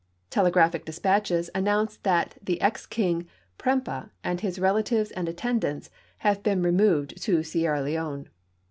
Telegraphic dispatches aniKHince that ex King Prcmpeh and his relatives and attendants have been removed to Sierra Leone.